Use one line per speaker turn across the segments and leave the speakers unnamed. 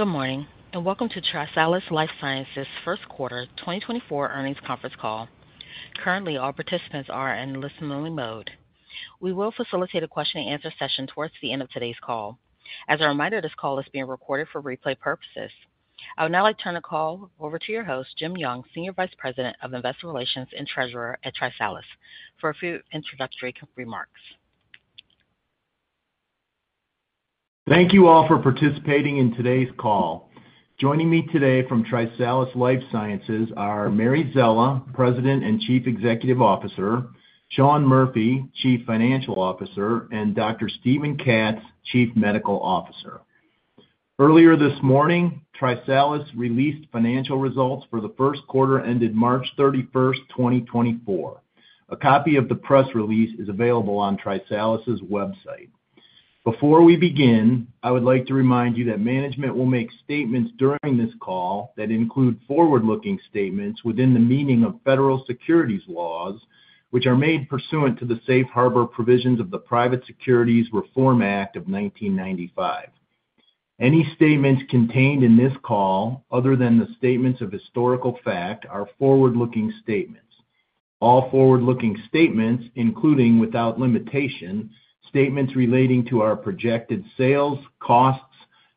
Good morning, and welcome to TriSalus Life Sciences' First Quarter 2024 Earnings Conference Call. Currently, all participants are in listen-only mode. We will facilitate a question-and-answer session towards the end of today's call. As a reminder, this call is being recorded for replay purposes. I would now like to turn the call over to your host, Jim Young, Senior Vice President of Investor Relations and Treasurer at TriSalus, for a few introductory remarks.
Thank you all for participating in today's call. Joining me today from TriSalus Life Sciences are Mary Szela, President and Chief Executive Officer, Sean Murphy, Chief Financial Officer, and Dr. Steven Katz, Chief Medical Officer. Earlier this morning, TriSalus released financial results for the first quarter ended March 31, 2024. A copy of the press release is available on TriSalus's website. Before we begin, I would like to remind you that management will make statements during this call that include forward-looking statements within the meaning of federal securities laws, which are made pursuant to the Safe Harbor provisions of the Private Securities Reform Act of 1995. Any statements contained in this call, other than the statements of historical fact, are forward-looking statements. All forward-looking statements, including without limitation, statements relating to our projected sales, costs,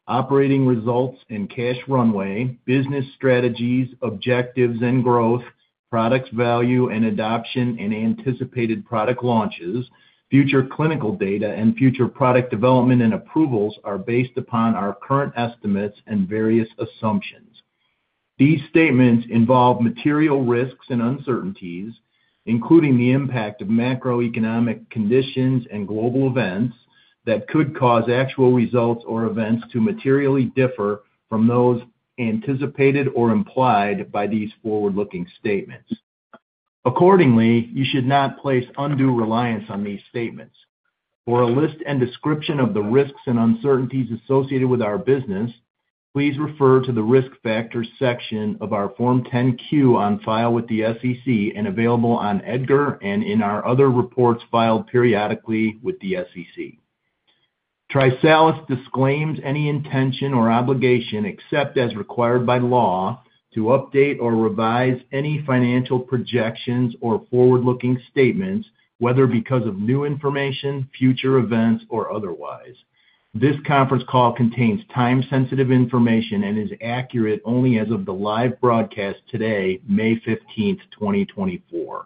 operating results and cash runway, business strategies, objectives and growth, products value and adoption and anticipated product launches, future clinical data, and future product development and approvals, are based upon our current estimates and various assumptions. These statements involve material risks and uncertainties, including the impact of macroeconomic conditions and global events, that could cause actual results or events to materially differ from those anticipated or implied by these forward-looking statements. Accordingly, you should not place undue reliance on these statements. For a list and description of the risks and uncertainties associated with our business, please refer to the Risk Factors section of our Form 10-Q on file with the SEC and available on EDGAR and in our other reports filed periodically with the SEC. TriSalus disclaims any intention or obligation, except as required by law, to update or revise any financial projections or forward-looking statements, whether because of new information, future events, or otherwise. This conference call contains time-sensitive information and is accurate only as of the live broadcast today, May 15, 2024.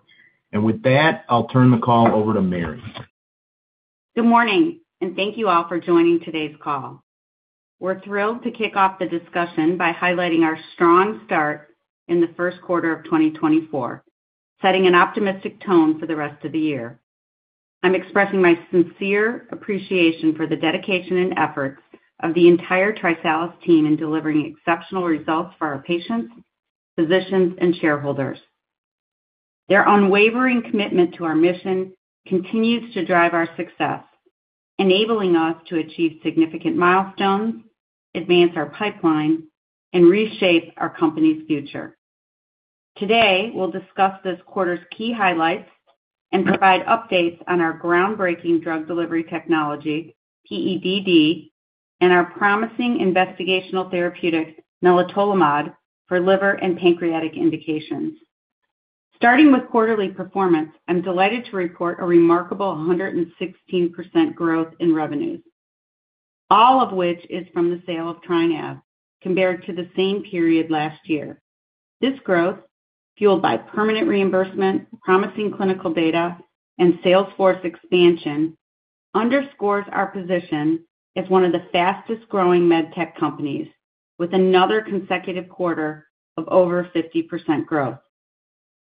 With that, I'll turn the call over to Mary.
Good morning, and thank you all for joining today's call. We're thrilled to kick off the discussion by highlighting our strong start in the first quarter of 2024, setting an optimistic tone for the rest of the year. I'm expressing my sincere appreciation for the dedication and efforts of the entire TriSalus team in delivering exceptional results for our patients, physicians, and shareholders. Their unwavering commitment to our mission continues to drive our success, enabling us to achieve significant milestones, advance our pipeline, and reshape our company's future. Today, we'll discuss this quarter's key highlights and provide updates on our groundbreaking drug delivery technology, PEDD, and our promising investigational therapeutic, nelitolimod, for liver and pancreatic indications. Starting with quarterly performance, I'm delighted to report a remarkable 116% growth in revenues, all of which is from the sale of TriNav, compared to the same period last year. This growth, fueled by permanent reimbursement, promising clinical data, and sales force expansion, underscores our position as one of the fastest-growing med tech companies, with another consecutive quarter of over 50% growth.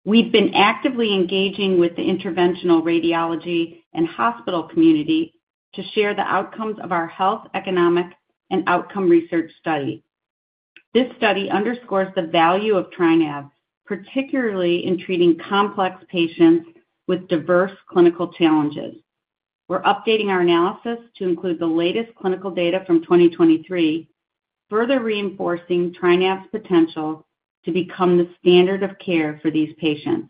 We've been actively engaging with the interventional radiology and hospital community to share the outcomes of our health, economic, and outcome research study. This study underscores the value of TriNav, particularly in treating complex patients with diverse clinical challenges. We're updating our analysis to include the latest clinical data from 2023, further reinforcing TriNav's potential to become the standard of care for these patients.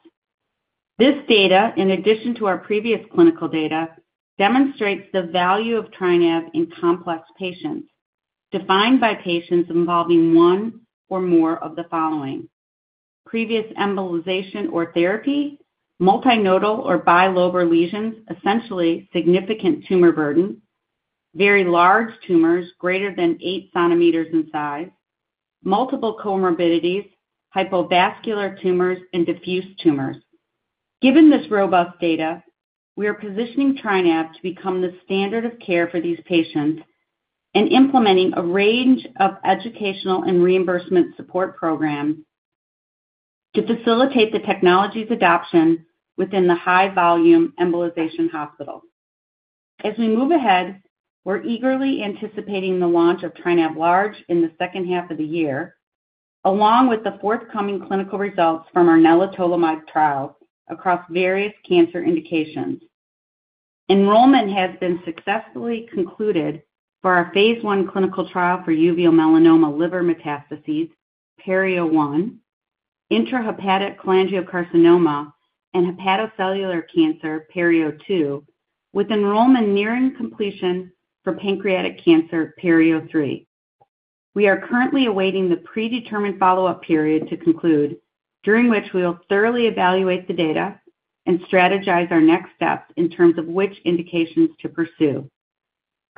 This data, in addition to our previous clinical data, demonstrates the value of TriNav in complex patients, defined by patients involving one or more of the following: previous embolization or therapy, multinodal or bilobar lesions, essentially significant tumor burden, very large tumors greater than 8 cm in size, multiple comorbidities, hypovascular tumors, and diffuse tumors. Given this robust data, we are positioning TriNav to become the standard of care for these patients and implementing a range of educational and reimbursement support programs to facilitate the technology's adoption within the high-volume embolization hospital. As we move ahead, we're eagerly anticipating the launch of TriNav Large in the second half of the year, along with the forthcoming clinical results from our nelitolimod trials across various cancer indications. Enrollment has been successfully concluded for our phase I clinical trial for uveal melanoma liver metastases, PERIO-01. Intrahepatic cholangiocarcinoma, and hepatocellular carcinoma PERIO-02, with enrollment nearing completion for pancreatic cancer PERIO-03. We are currently awaiting the predetermined follow-up period to conclude, during which we will thoroughly evaluate the data and strategize our next steps in terms of which indications to pursue.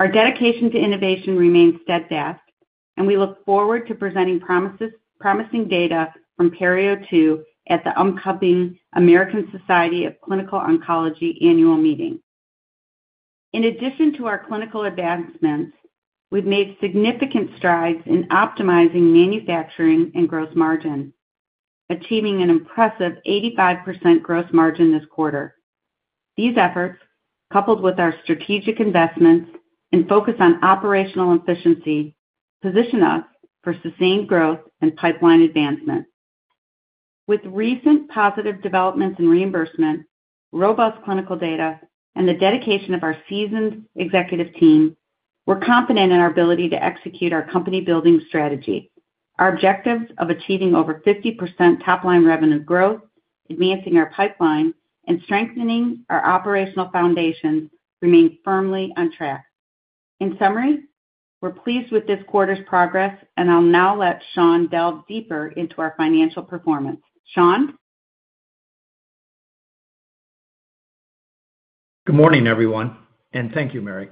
Our dedication to innovation remains steadfast, and we look forward to presenting promising data from PERIO-02 at the upcoming American Society of Clinical Oncology annual meeting. In addition to our clinical advancements, we've made significant strides in optimizing manufacturing and gross margin, achieving an impressive 85% gross margin this quarter. These efforts, coupled with our strategic investments and focus on operational efficiency, position us for sustained growth and pipeline advancement. With recent positive developments in reimbursement, robust clinical data, and the dedication of our seasoned executive team, we're confident in our ability to execute our company-building strategy. Our objectives of achieving over 50% top-line revenue growth, advancing our pipeline, and strengthening our operational foundation remain firmly on track. In summary, we're pleased with this quarter's progress, and I'll now let Sean delve deeper into our financial performance. Sean?
Good morning, everyone, and thank you, Mary.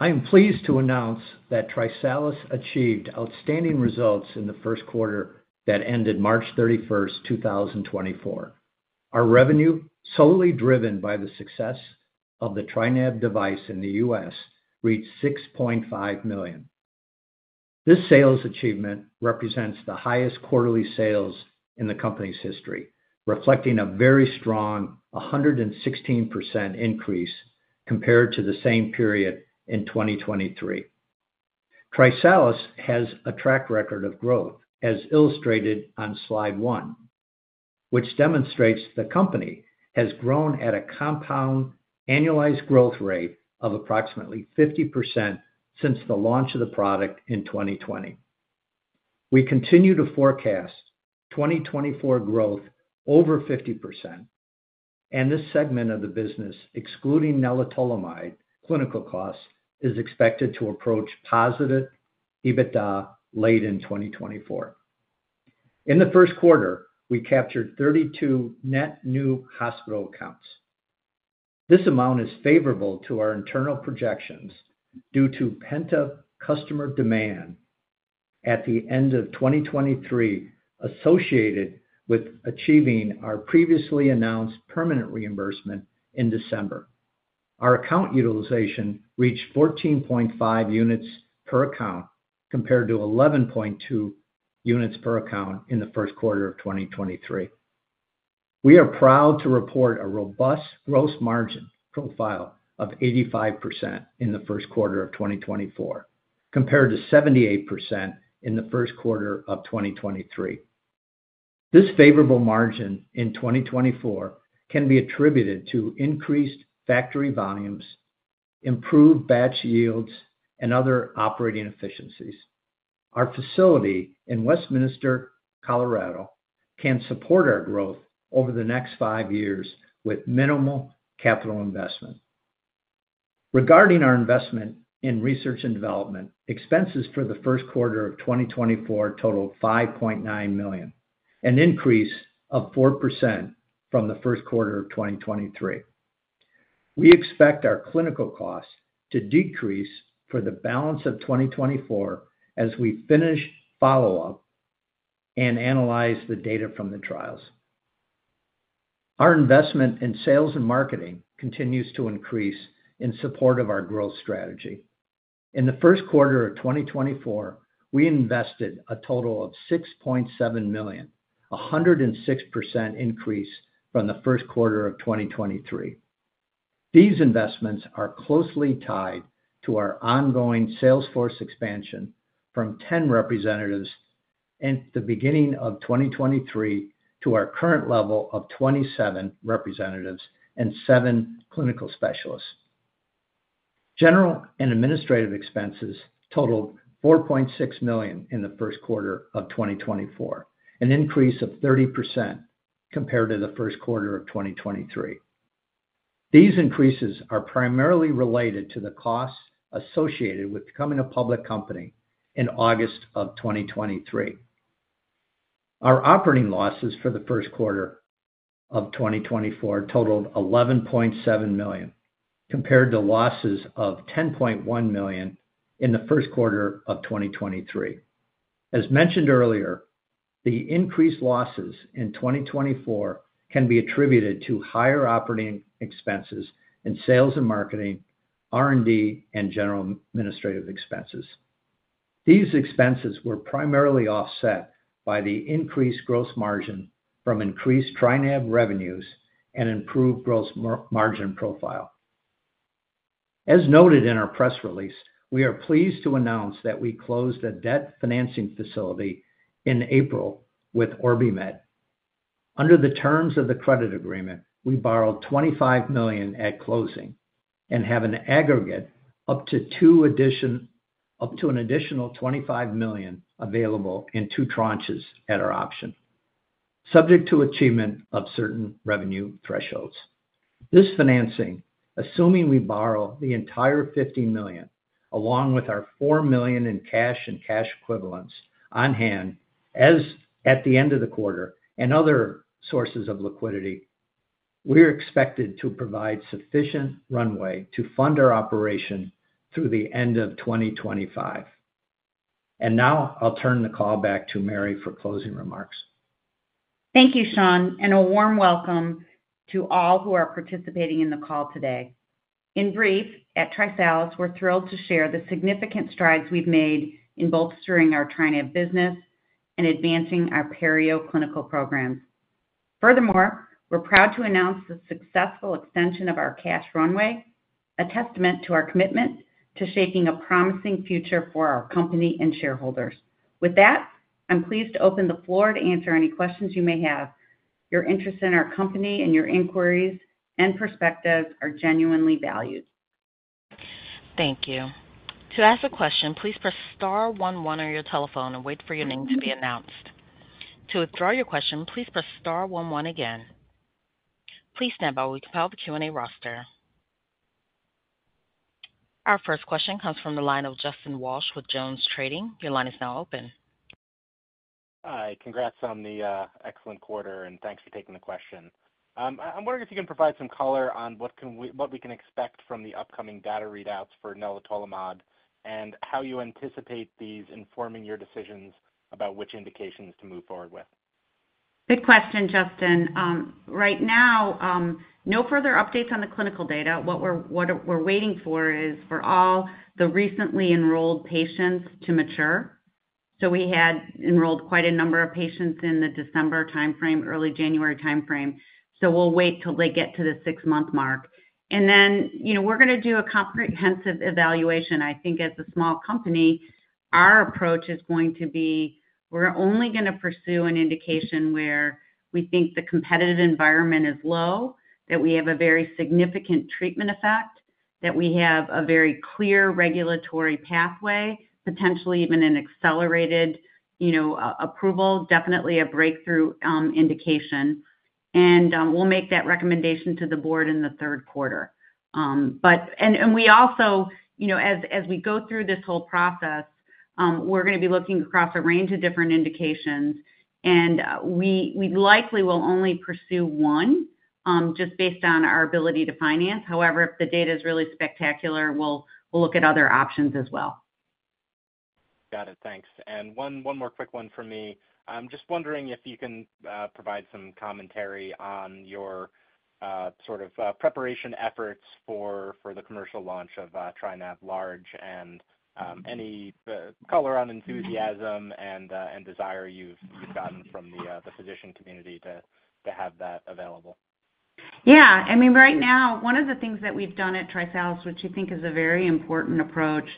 I am pleased to announce that TriSalus achieved outstanding results in the first quarter that ended March 31st 2024. Our revenue, solely driven by the success of the TriNav device in the U.S., reached $6.5 million. This sales achievement represents the highest quarterly sales in the company's history, reflecting a very strong 116% increase compared to the same period in 2023. TriSalus has a track record of growth, as illustrated on slide one, which demonstrates the company has grown at a compound annualized growth rate of approximately 50% since the launch of the product in 2020. We continue to forecast 2024 growth over 50%, and this segment of the business, excluding nelitolimod clinical costs, is expected to approach positive EBITDA late in 2024. In the first quarter, we captured 32 net new hospital accounts. This amount is favorable to our internal projections due to pent-up customer demand at the end of 2023, associated with achieving our previously announced permanent reimbursement in December. Our account utilization reached 14.5 units per account, compared to 11.2 units per account in the first quarter of 2023. We are proud to report a robust gross margin profile of 85% in the first quarter of 2024, compared to 78% in the first quarter of 2023. This favorable margin in 2024 can be attributed to increased factory volumes, improved batch yields, and other operating efficiencies. Our facility in Westminster, Colorado, can support our growth over the next five years with minimal capital investment. Regarding our investment in research and development, expenses for the first quarter of 2024 totaled $5.9 million, an increase of 4% from the first quarter of 2023. We expect our clinical costs to decrease for the balance of 2024 as we finish follow-up and analyze the data from the trials. Our investment in sales and marketing continues to increase in support of our growth strategy. In the first quarter of 2024, we invested a total of $6.7 million, a 106% increase from the first quarter of 2023. These investments are closely tied to our ongoing sales force expansion from 10 representatives in the beginning of 2023, to our current level of 27 representatives and seven clinical specialists. General and administrative expenses totaled $4.6 million in the first quarter of 2024, an increase of 30% compared to the first quarter of 2023. These increases are primarily related to the costs associated with becoming a public company in August of 2023. Our operating losses for the first quarter of 2024 totaled $11.7 million, compared to losses of $10.1 million in the first quarter of 2023. As mentioned earlier, the increased losses in 2024 can be attributed to higher operating expenses in sales and marketing, R&D, and general administrative expenses. These expenses were primarily offset by the increased gross margin from increased TriNav revenues and improved gross margin profile. As noted in our press release, we are pleased to announce that we closed a debt financing facility in April with OrbiMed. Under the terms of the credit agreement, we borrowed $25 million at closing and have an aggregate up to an additional $25 million available in two tranches at our option, subject to achievement of certain revenue thresholds. This financing, assuming we borrow the entire $50 million, along with our $4 million in cash and cash equivalents on hand as at the end of the quarter and other sources of liquidity, we're expected to provide sufficient runway to fund our operation through the end of 2025. And now I'll turn the call back to Mary for closing remarks.
Thank you, Sean, and a warm welcome to all who are participating in the call today. In brief, at TriSalus, we're thrilled to share the significant strides we've made in bolstering our TriNav business and advancing our PERIO clinical programs. Furthermore, we're proud to announce the successful extension of our cash runway, a testament to our commitment to shaping a promising future for our company and shareholders. With that, I'm pleased to open the floor to answer any questions you may have. Your interest in our company and your inquiries and perspectives are genuinely valued.
Thank you. To ask a question, please press star one one on your telephone and wait for your name to be announced. To withdraw your question, please press star one one again. Please stand by while we compile the Q&A roster. Our first question comes from the line of Justin Walsh with JonesTrading. Your line is now open.
Hi, congrats on the excellent quarter, and thanks for taking the question. I'm wondering if you can provide some color on what we can expect from the upcoming data readouts for nelitolimod, and how you anticipate these informing your decisions about which indications to move forward with.
Good question, Justin. Right now, no further updates on the clinical data. What we're waiting for is for all the recently enrolled patients to mature. So we had enrolled quite a number of patients in the December timeframe, early January timeframe, so we'll wait till they get to the six-month mark. And then, you know, we're gonna do a comprehensive evaluation. I think as a small company, our approach is going to be, we're only gonna pursue an indication where we think the competitive environment is low, that we have a very significant treatment effect, that we have a very clear regulatory pathway, potentially even an accelerated, you know, approval, definitely a breakthrough indication. And we'll make that recommendation to the board in the third quarter. And we also, you know, as we go through this whole process, we're gonna be looking across a range of different indications, and we likely will only pursue one, just based on our ability to finance. However, if the data is really spectacular, we'll look at other options as well.
Got it. Thanks. And one more quick one for me. I'm just wondering if you can provide some commentary on your sort of preparation efforts for the commercial launch of TriNav Large, and any color on enthusiasm and desire you've gotten from the physician community to have that available.
Yeah. I mean, right now, one of the things that we've done at TriSalus, which you think is a very important approach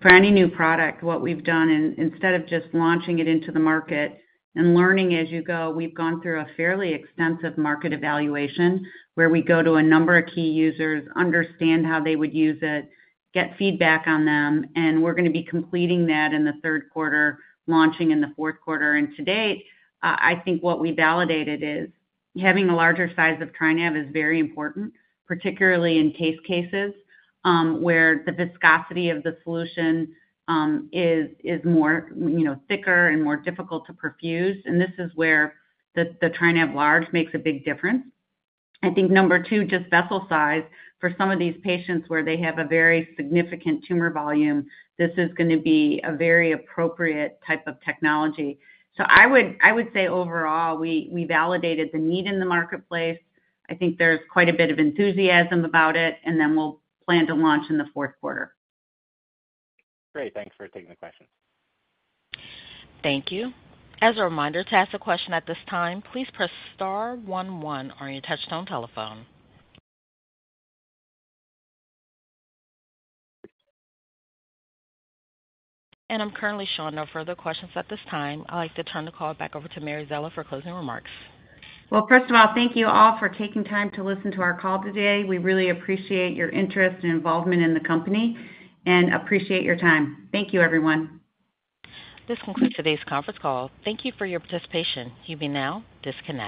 for any new product, what we've done, and instead of just launching it into the market and learning as you go, we've gone through a fairly extensive market evaluation, where we go to a number of key users, understand how they would use it, get feedback on them, and we're gonna be completing that in the third quarter, launching in the fourth quarter. And to date, I think what we validated is, having a larger size of TriNav is very important, particularly in cases, where the viscosity of the solution is more, you know, thicker and more difficult to perfuse, and this is where the TriNav Large makes a big difference. I think number two, just vessel size. For some of these patients where they have a very significant tumor volume, this is gonna be a very appropriate type of technology. So I would say overall, we validated the need in the marketplace. I think there's quite a bit of enthusiasm about it, and then we'll plan to launch in the fourth quarter.
Great. Thanks for taking the question.
Thank you. As a reminder, to ask a question at this time, please press star one one on your touchtone telephone. I'm currently showing no further questions at this time. I'd like to turn the call back over to Mary Szela for closing remarks.
Well, first of all, thank you all for taking time to listen to our call today. We really appreciate your interest and involvement in the company and appreciate your time. Thank you, everyone.
This concludes today's conference call. Thank you for your participation. You may now disconnect.